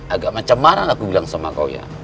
agak macam marah aku bilang sama kau ya